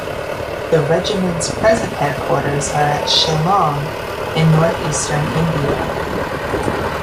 The regiment's present headquarters are at Shillong, in North-Eastern India.